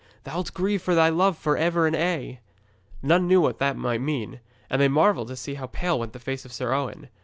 Thou'lt grieve for thy love for ever and aye.' None knew what this might mean, and they marvelled to see how pale went the face of Sir Owen.